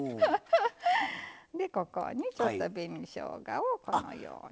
ここに、ちょっと紅しょうがをこのように。